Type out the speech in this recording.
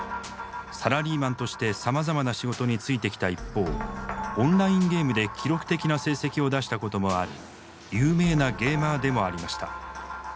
サラリーマンとしてさまざまな仕事についてきた一方オンラインゲームで記録的な成績を出したこともある有名なゲーマーでもありました。